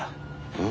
うん？